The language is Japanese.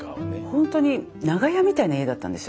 ほんとに長屋みたいな家だったんですよ。